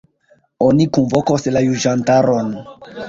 Oni kunvokos la juĝantaron.